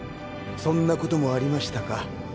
そんなこともありましたか。